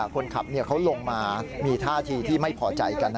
คนขับเขาลงมามีท่าทีที่ไม่พอใจกัน